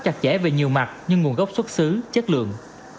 chặt chẽ về nhiều mặt nhưng nguồn gốc xuất xứ chất lượng